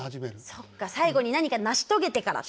そっか最後に何か成し遂げてからって。